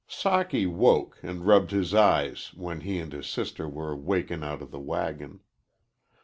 Socky woke and rubbed his eyes when he and his sister were taken out of the wagon.